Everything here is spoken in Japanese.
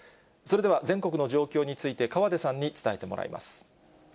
それでは全国の状況について、河出さんに伝えてもらいます。